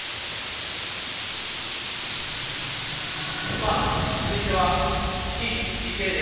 さあ続いてはＴ・ＤＫです。